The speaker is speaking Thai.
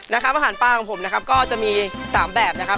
อาหารปลาของผมนะครับก็จะมี๓แบบนะครับ